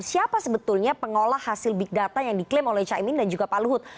siapa sebetulnya pengolah hasil big data yang diklaim oleh caimin dan juga pak luhut